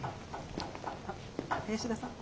林田さん。